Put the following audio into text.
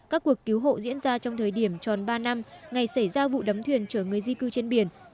các cuộc cứu hộ diễn ra trong thời điểm tròn ba năm ngày xảy ra vụ đấm thuyền chở người di cư trên biển